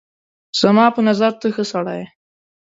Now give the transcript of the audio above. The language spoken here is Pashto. زما په نظر ته ښه سړی یې